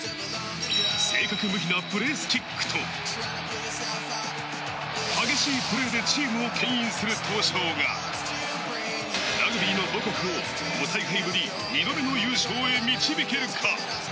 正確無比なプレースキックと激しいプレーでチームをけん引する闘将がラグビーの母国を５大会ぶり２度目の優勝へ導けるか？